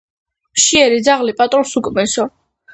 მშიერი ძაღლი პატრონს უკბენსო